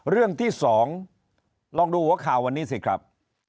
เรื่องที่๒ลองดูหัวข่าววันนี้สิครับ